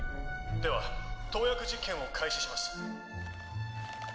・では投薬実験を開始します。